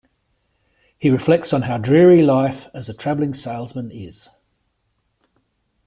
He reflects on how dreary life as a traveling salesman is.